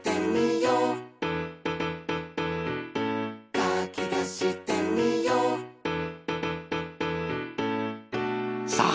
「かきたしてみよう」さあ！